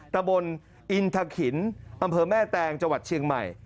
ตะบนอินทะขินอำเภอแม่แตงจังหวัดเชียงใหม่